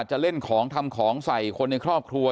จะเล่นของทำของใส่คนในครอบครัว